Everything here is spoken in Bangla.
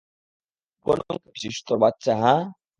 কোন মুখে বলছিস, তোর বাচ্চা, হা?